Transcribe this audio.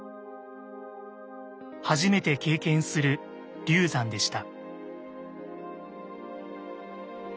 初めて経験する流産でした。